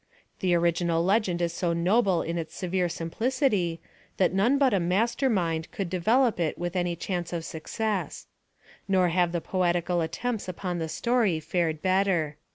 The original legend is so noble in its severe simplicity, that none but a master mind could develop it with any chance of success. Nor have the poetical attempts upon the story fared better.